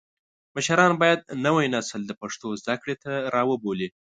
مشران باید نوی نسل د پښتو زده کړې ته راوبولي.